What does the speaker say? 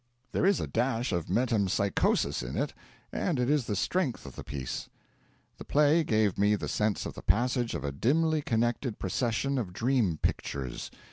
There is a dash of metempsychosis in it and it is the strength of the piece. The play gave me the sense of the passage of a dimly connected procession of dream pictures.